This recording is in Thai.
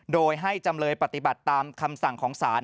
โดยให้จำเลยปฏิบัติตามคำสั่งของศาล